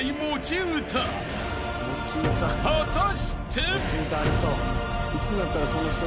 ［果たして？］